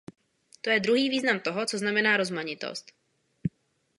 To je druhý význam toho, co znamená rozmanitost.